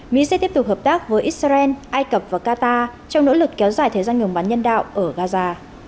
mỹ sẽ tiếp tục hợp tác với israel ai cập và qatar trong nỗ lực kéo dài thời gian ngừng bắn nhân đạo ở gaza